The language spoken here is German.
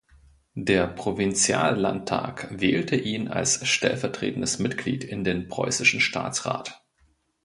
Der Provinziallandtag wählte ihn als stellvertretendes Mitglied in den Preußischen Staatsrat.